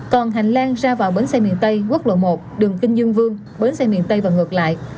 còn hành lang ra vào bến xe miền tây quốc lộ một đường kinh dương vương bến xe miền tây và ngược lại